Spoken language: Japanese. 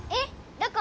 どこ？